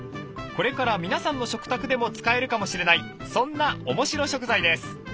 これから皆さんの食卓でも使えるかもしれないそんなおもしろ食材です。